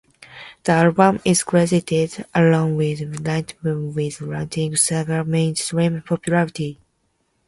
The album is credited, along with "Night Moves", with launching Seger's mainstream popularity.